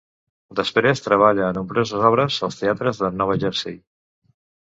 Després treballa a nombroses obres als teatres de Nova Jersey.